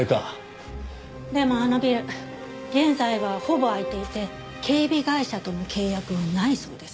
でもあのビル現在はほぼ空いていて警備会社との契約はないそうです。